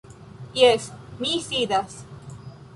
Jes, mi sidas.